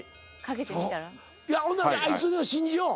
ほんならあいつを信じよう。